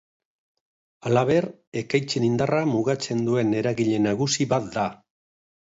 Halaber, ekaitzen indarra mugatzen duen eragile nagusi bat da.